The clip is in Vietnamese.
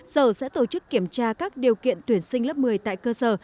sở sẽ tổ chức kiểm tra các điều kiện tuyển sinh lớp một mươi tại cơ sở